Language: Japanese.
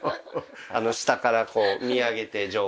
下からこう見上げて女王を。